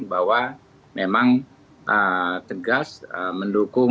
bahwa memang tegas mendukung